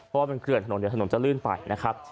เพราะว่ามันเขื่อนถนนเดี๋ยวถนนจะลื่นไปนะครับ